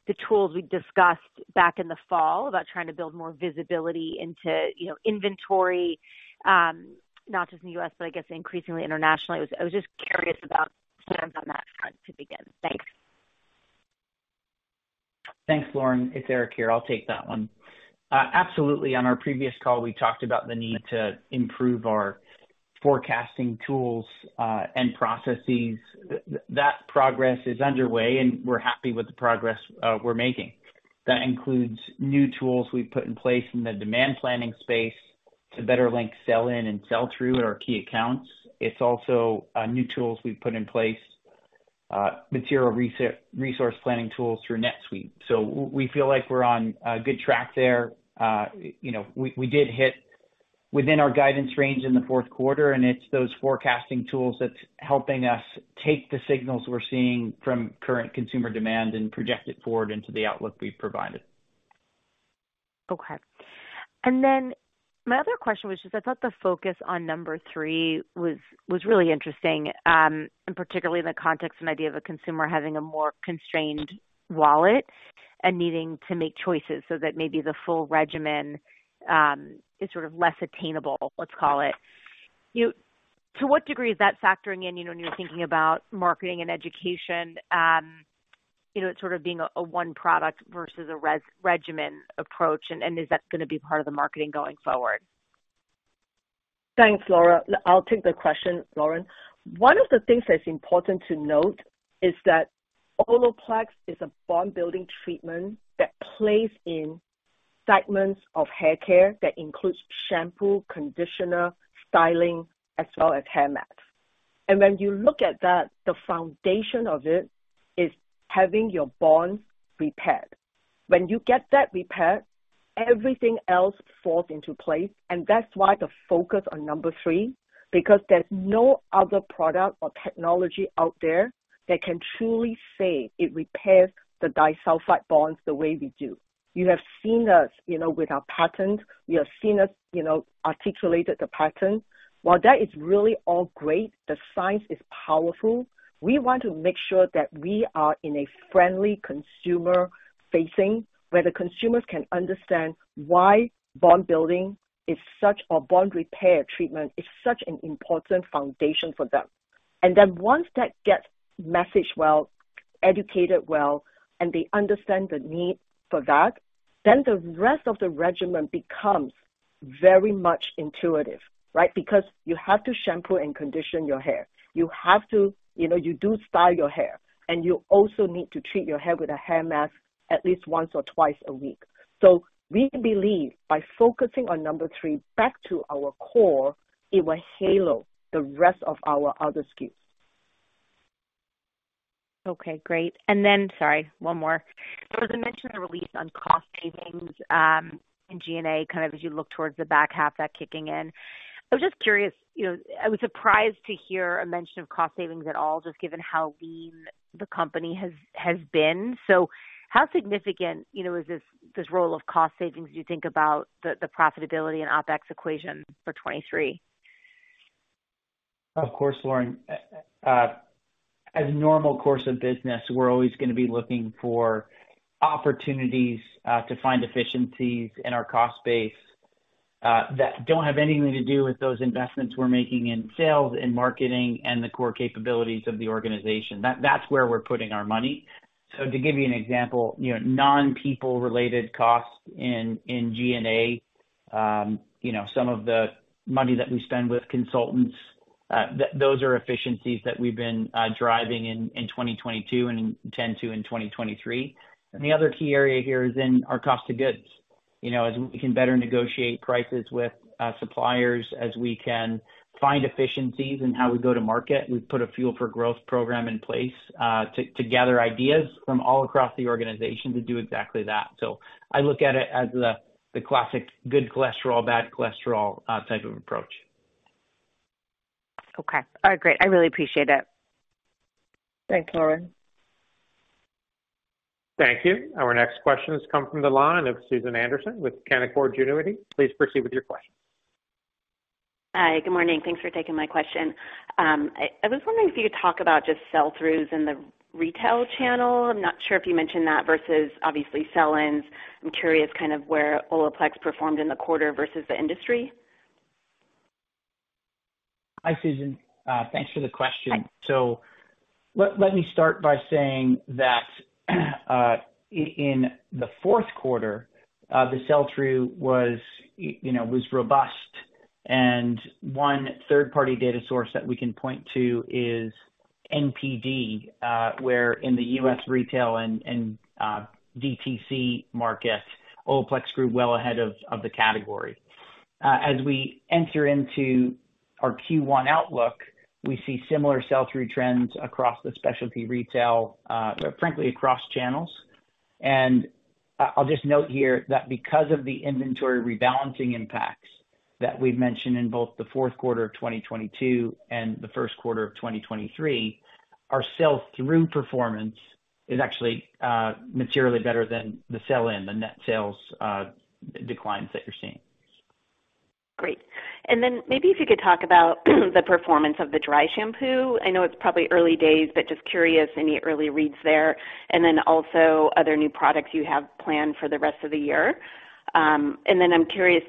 the tools we discussed back in the fall about trying to build more visibility into, you know, inventory, not just in the U.S., but I guess increasingly internationally. I was just curious about plans on that front to begin. Thanks. Thanks, Lauren. It's Eric here. I'll take that one. Absolutely. On our previous call, we talked about the need to improve our forecasting tools and processes. That progress is underway, and we're happy with the progress we're making. That includes new tools we've put in place in the demand planning space to better link sell in and sell through at our key accounts. It's also new tools we've put in place, material resource planning tools through NetSuite. We feel like we're on good track there. You know, we did hit within our guidance range in the fourth quarter, and it's those forecasting tools that's helping us take the signals we're seeing from current consumer demand and project it forward into the outlook we've provided. My other question was just, I thought the focus on Nº.3 was really interesting, and particularly in the context and idea of a consumer having a more constrained wallet and needing to make choices so that maybe the full regimen is sort of less attainable, let's call it. You know, to what degree is that factoring in, you know, when you're thinking about marketing and education, you know, it sort of being a one product versus a regimen approach, and is that gonna be part of the marketing going forward? Thanks, Lauren. I'll take the question, Lauren. One of the things that's important to note is that Olaplex is a bond-building treatment that plays in segments of haircare that includes shampoo, conditioner, styling, as well as hair masks. When you look at that, the foundation of it is having your bonds repaired. When you get that repaired, everything else falls into place. That's why the focus on Nº.3, because there's no other product or technology out there that can truly say it repairs the disulfide bonds the way we do. You have seen us, you know, with our patents. You have seen us, you know, articulate the patent. That is really all great, the science is powerful. We want to make sure that we are in a friendly consumer-facing, where the consumers can understand why bond repair treatment is such an important foundation for them. Once that gets messaged well, educated well, and they understand the need for that, then the rest of the regimen becomes very much intuitive, right? You have to shampoo and condition your hair. You know, you do style your hair, and you also need to treat your hair with a hair mask at least once or twice a week. We believe by focusing on Nº.3 back to our core, it will halo the rest of our other SKUs. Okay, great. Sorry, one more. There was a mention in the release on cost savings, in SG&A, kind of as you look towards the back half, that kicking in. I was just curious, you know, I was surprised to hear a mention of cost savings at all, just given how lean the company has been. How significant, you know, is this role of cost savings as you think about the profitability and OpEx equation for 23? Of course, Lauren. As normal course of business, we're always gonna be looking for opportunities to find efficiencies in our cost base that don't have anything to do with those investments we're making in sales and marketing and the core capabilities of the organization. That's where we're putting our money. To give you an example, you know, non-people related costs in SG&A, you know, some of the money that we spend with consultants, those are efficiencies that we've been driving in 2022 and intend to in 2023. The other key area here is in our cost of goods. You know, as we can better negotiate prices with suppliers, as we can find efficiencies in how we go to market, we've put a Fuel for Growth Program in place to gather ideas from all across the organization to do exactly that. I look at it as the classic good cholesterol, bad cholesterol type of approach. Okay. All right, great. I really appreciate it. Thanks, Lauren. Thank you. Our next question has come from the line of Susan Anderson with Canaccord Genuity. Please proceed with your question. Hi. Good morning. Thanks for taking my question. I was wondering if you could talk about just sell-throughs in the retail channel. I'm not sure if you mentioned that versus obviously sell-ins. I'm curious kind of where Olaplex performed in the quarter versus the industry. Hi, Susan. Thanks for the question. Hi. Let me start by saying that in the fourth quarter, the sell-through was, you know, robust. One third-party data source that we can point to is NPD, where in the U.S. retail and DTC market, Olaplex grew well ahead of the category. As we enter into our Q1 outlook, we see similar sell-through trends across the specialty retail, frankly across channels. I'll just note here that because of the inventory rebalancing impacts that we've mentioned in both the fourth quarter of 2022 and the first quarter of 2023, our sell-through performance is actually materially better than the sell-in, the net sales, declines that you're seeing. Great. Maybe if you could talk about the performance of the dry shampoo. I know it's probably early days, but just curious any early reads there, and then also other new products you have planned for the rest of the year. I'm curious,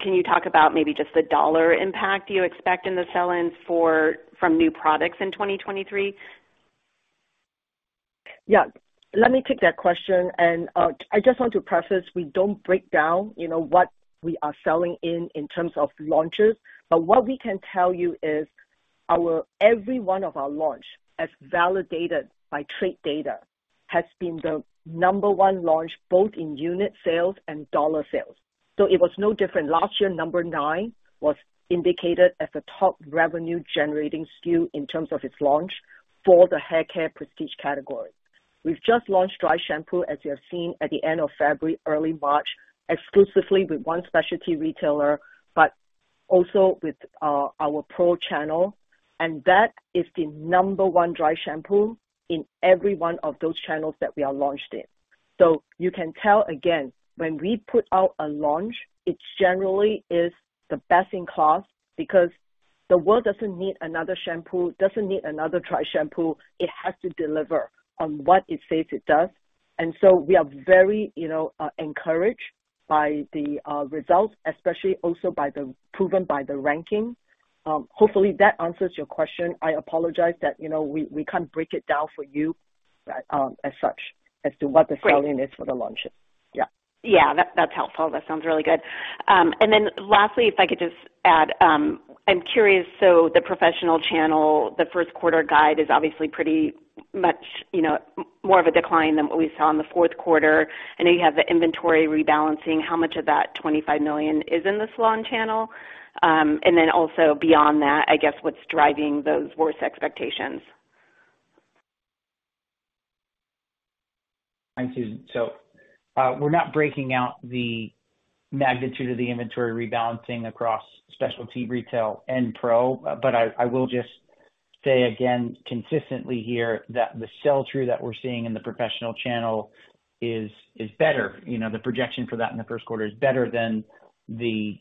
can you talk about maybe just the $ impact you expect in the sell-ins from new products in 2023? I just want to preface, we don't break down, you know, what we are selling in terms of launches. What we can tell you is every one of our launch, as validated by trade data, has been the number one launch both in unit sales and dollar sales. It was no different. Last year, Nº.9 was indicated as the top revenue-generating SKU in terms of its launch for the haircare prestige category. We've just launched dry shampoo, as you have seen at the end of February, early March, exclusively with one specialty retailer, Also with our pro channel, and that is the number one dry shampoo in every one of those channels that we are launched in. You can tell again, when we put out a launch, it generally is the best in class because the world doesn't need another shampoo, doesn't need another dry shampoo. It has to deliver on what it says it does. We are very, you know, encouraged by the results, especially also by the proven by the ranking. Hopefully that answers your question. I apologize that, you know, we can't break it down for you, as such as to what. Great. The selling is for the launch. Yeah. Yeah. That's helpful. That sounds really good. Lastly, if I could just add, I'm curious, so the professional channel, the first quarter guide is obviously pretty much, you know, more of a decline than what we saw in the fourth quarter. I know you have the inventory rebalancing. How much of that $25 million is in the salon channel? Also beyond that, I guess, what's driving those worse expectations? Thank you. We're not breaking out the magnitude of the inventory rebalancing across specialty retail and pro, but I will just say again consistently here that the sell-through that we're seeing in the professional channel is better. You know, the projection for that in the first quarter is better than the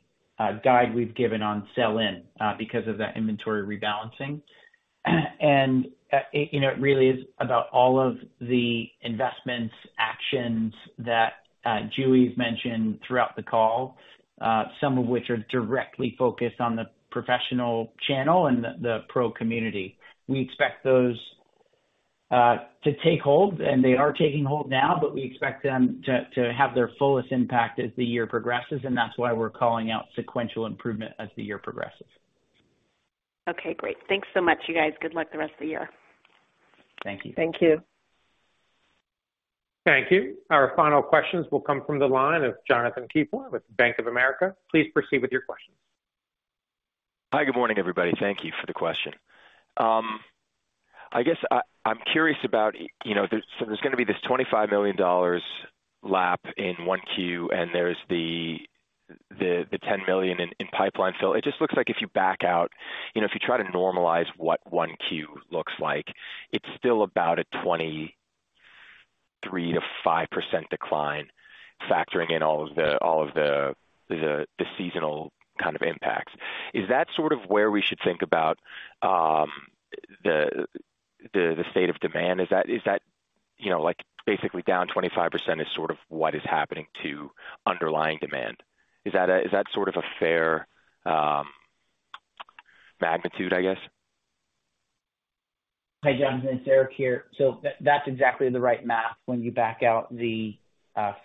guide we've given on sell-in because of that inventory rebalancing. You know, it really is about all of the investments, actions that Julie's mentioned throughout the call, some of which are directly focused on the professional channel and the pro community. We expect those to take hold, and they are taking hold now, but we expect them to have their fullest impact as the year progresses, and that's why we're calling out sequential improvement as the year progresses. Okay, great. Thanks so much, you guys. Good luck the rest of the year. Thank you. Thank you. Thank you. Our final questions will come from the line of Jonathan Keypour with Bank of America. Please proceed with your questions. Hi, good morning, everybody. Thank Thank you for the question. I guess I'm curious about, you know, there's gonna be this $25 million lap in 1Q, and there's the $10 million in pipeline fill. It just looks like if you back out, you know, if you try to normalize what 1Q looks like, it's still about a 23%-5% decline factoring in all of the seasonal kind of impacts. Is that sort of where we should think about the state of demand? Is that, is that, you know, like basically down 25% is sort of what is happening to underlying demand? Is that a, is that sort of a fair magnitude, I guess? Hey, Jonathan, it's Eric here. That's exactly the right math when you back out the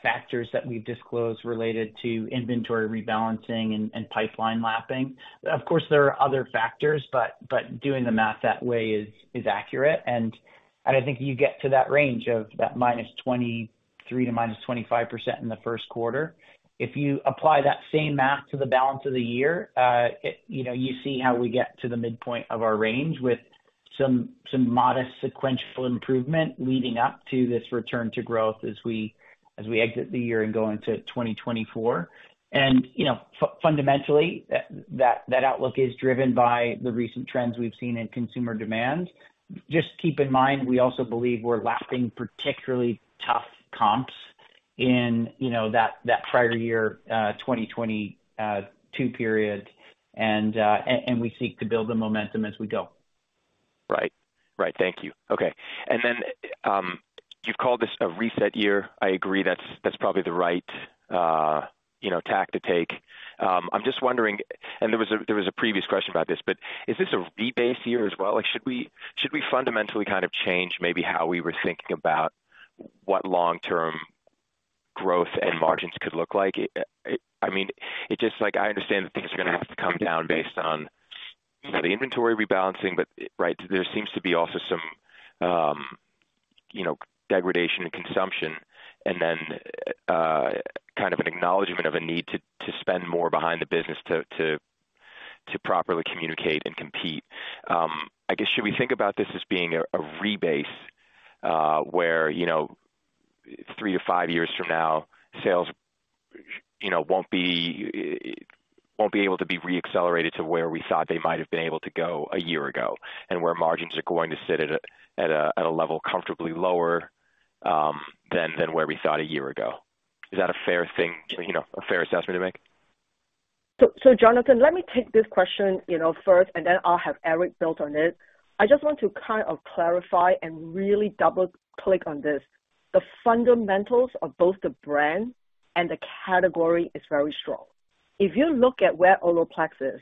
factors that we've disclosed related to inventory rebalancing and pipeline lapping. Of course, there are other factors, but doing the math that way is accurate, and I think you get to that range of that -23% to -25% in the first quarter. If you apply that same math to the balance of the year, you know, you see how we get to the midpoint of our range with some modest sequential improvement leading up to this return to growth as we exit the year and go into 2024. You know, fundamentally, that outlook is driven by the recent trends we've seen in consumer demand. Just keep in mind, we also believe we're lapping particularly tough comps in, you know, that prior year, 2022 period. We seek to build the momentum as we go. Right. Thank you. Okay. You've called this a reset year. I agree that's probably the right, you know, tact to take. I'm just wondering, and there was a previous question about this, but is this a rebase year as well? Like should we fundamentally kind of change maybe how we were thinking about what long-term growth and margins could look like? I mean, it's just like I understand that things are gonna have to come down based on, you know, the inventory rebalancing, but, right, there seems to be also some, you know, degradation in consumption and then, kind of an acknowledgement of a need to properly communicate and compete. I guess, should we think about this as being a rebase, where, you know, three to five years from now, sales, you know, it won't be able to be re-accelerated to where we thought they might have been able to go one year ago and where margins are going to sit at a level comfortably lower, than where we thought one year ago. Is that a fair thing, you know, a fair assessment to make? Jonathan, let me take this question, you know, first, then I'll have Eric build on it. I just want to kind of clarify and really double-click on this. The fundamentals of both the brand and the category is very strong. If you look at where Olaplex is,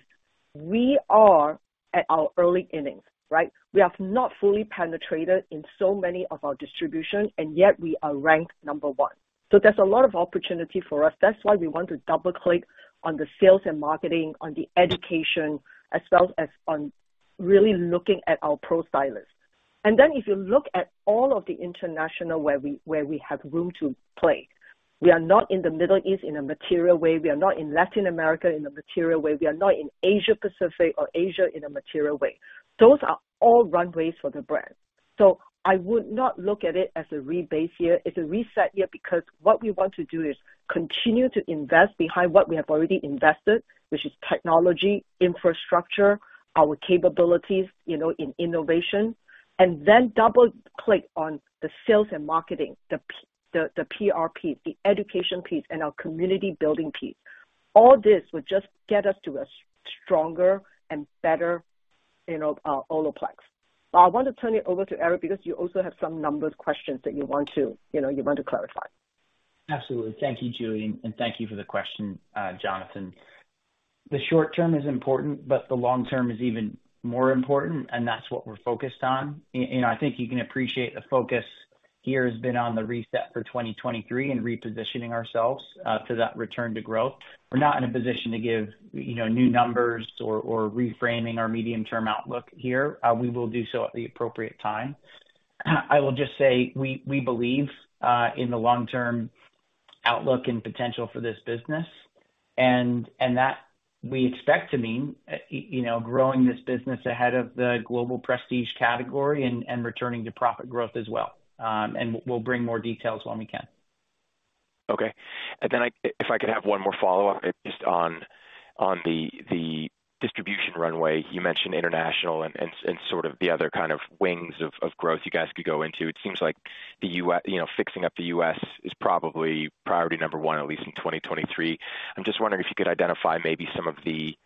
we are at our early innings, right? We have not fully penetrated in so many of our distribution, and yet we are ranked number one. There's a lot of opportunity for us. That's why we want to double-click on the sales and marketing, on the education, as well as on really looking at our pro stylists. Then if you look at all of the international where we have room to play, we are not in the Middle East in a material way. We are not in Latin America in a material way. We are not in Asia Pacific or Asia in a material way. Those are all runways for the brand. I would not look at it as a rebase year. It's a reset year because what we want to do is continue to invest behind what we have already invested, which is technology, infrastructure, our capabilities, you know, in innovation, and then double-click on the sales and marketing, the PRP, the education piece and our community building piece. All this would just get us to a stronger and better, you know, Olaplex. I want to turn it over to Eric because you also have some numbers questions that you want to, you know, you want to clarify. Absolutely. Thank you, Julie, and thank you for the question, Jonathan. The short term is important, but the long term is even more important, and that's what we're focused on. I think you can appreciate the focus here has been on the reset for 2023 and repositioning ourselves to that return to growth. We're not in a position to give, you know, new numbers or reframing our medium-term outlook here. We will do so at the appropriate time. I will just say we believe in the long-term outlook and potential for this business, and that we expect to mean, you know, growing this business ahead of the global prestige category and returning to profit growth as well. We'll bring more details when we can. Okay. If I could have one more follow-up just on the distribution runway. You mentioned international and sort of the other kind of wings of growth you guys could go into. It seems like, you know, fixing up the U.S. is probably priority number one at least in 2023. I'm just wondering if you could identify maybe some of the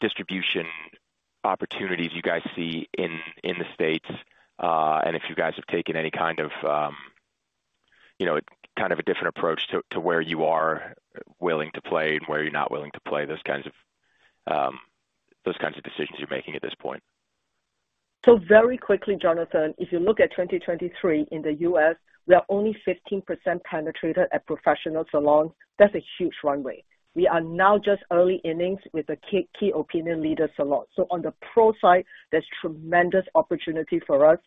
distribution opportunities you guys see in the States, and if you guys have taken any kind of, you know, kind of a different approach to where you are willing to play and where you're not willing to play, those kinds of decisions you're making at this point. Very quickly, Jonathan, if you look at 2023 in the U.S., we are only 15% penetrated at professional salons. That's a huge runway. We are now just early innings with the key opinion leaders a lot. On the pro side, there's tremendous opportunity for us.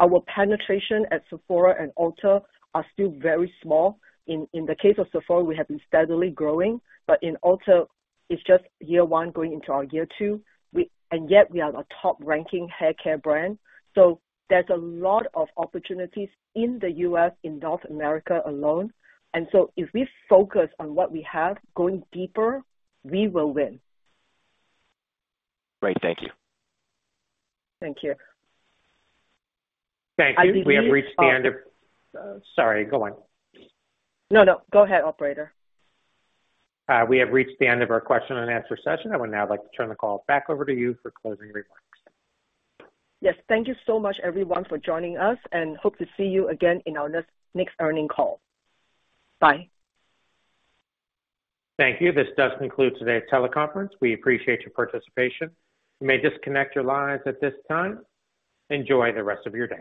Our penetration at Sephora and Ulta are still very small. In the case of Sephora, we have been steadily growing, but in Ulta it's just year one going into our year two. And yet we are a top ranking haircare brand. There's a lot of opportunities in the U.S., in North America alone. If we focus on what we have going deeper, we will win. Great. Thank you. Thank you. Thank you. We have reached the end of. I believe- Sorry, go on. No, no. Go ahead, Operator. We have reached the end of our question and answer session. I would now like to turn the call back over to you for closing remarks. Yes. Thank you so much everyone for joining us. Hope to see you again in our next earnings call. Bye. Thank you. This does conclude today's teleconference. We appreciate your participation. You may disconnect your lines at this time. Enjoy the rest of your day.